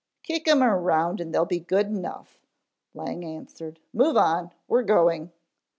"Kick 'em around and they'll be good enough," Lang answered. "Move on, we're going."